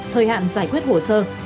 thời hạn giải quyết hồ sơ